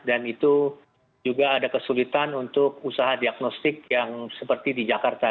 dan itu juga ada kesulitan untuk usaha diagnostik yang seperti di jakarta